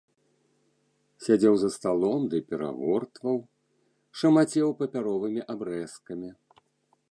Сядзеў за сталом ды перагортваў, шамацеў папяровымі абрэзкамі.